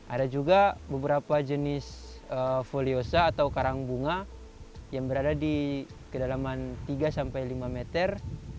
ada juga beberapa jenis foliosa atau karang bunga yang berada di kedalaman tiga sampai lima meter